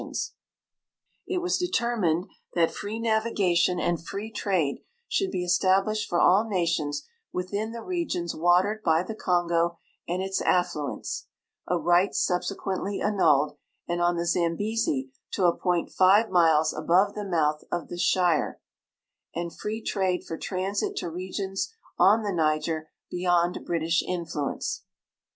AFRICA SINCE 1SS8 159 It was determined that free navigation and free trade should be established for all nations within the regions watered by the Kongo and its affluents — a right subsequently annulled — and on the Zambesi to a point five miles above the mouth of the Shire, and free trade for transit to regions on the Niger beyond British influence.